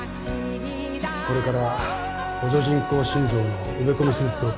これから補助人工心臓の植え込み手術を開始します。